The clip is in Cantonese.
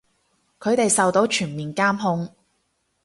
佢哋受到全面監控